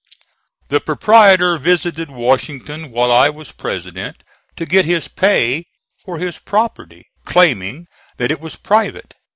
The proprietor visited Washington while I was President to get his pay for this property, claiming that it was private.